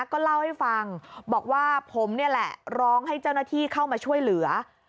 ก็เล่าให้ฟังบอกว่าผมนี่แหละร้องให้เจ้าหน้าที่เข้ามาช่วยเหลือ